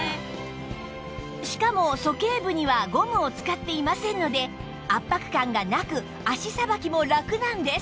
しかもそけい部にはゴムを使っていませんので圧迫感がなく足さばきもラクなんです